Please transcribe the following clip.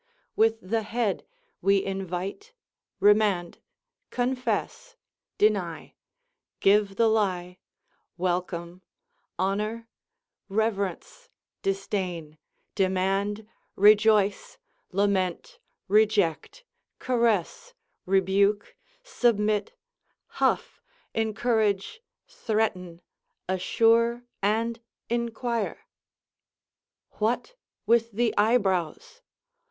With the head we invite, remand, confess, deny, give the lie, welcome, honour, reverence, disdain, demand, rejoice, lament, reject, caress, rebuke, submit, huff, encourage, threaten, assure, and inquire. What with the eyebrows?